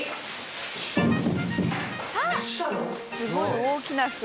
すごい大きな袋。